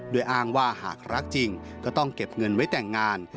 โดยอ้างว่าหากรักจริงก็ต้องเก็บเงินไว้แต่งงาน